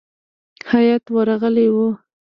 هیات ورغلی وو.